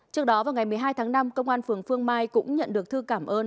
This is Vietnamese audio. trước đó vào ngày một mươi hai tháng năm công an phường phương mai cũng nhận được thư cảm ơn